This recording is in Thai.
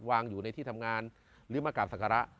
วางอยู่ในที่ทำงานหรือมากราบศักระ